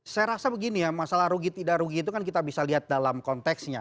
saya rasa begini ya masalah rugi tidak rugi itu kan kita bisa lihat dalam konteksnya